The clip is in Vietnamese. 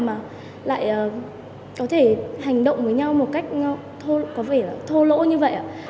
mà lại có thể hành động với nhau một cách có vẻ là thô lỗ như vậy ạ